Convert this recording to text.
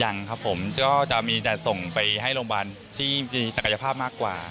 ยังครับผมก็จะมีแต่ส่งไปให้โรงพยาบาลที่มีศักยภาพมากกว่า